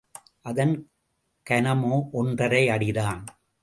அதன் கனமோ ஒன்றரை அடிதான்.